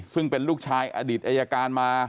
ซึ่งเป็นลูกชายอดีตอายการมา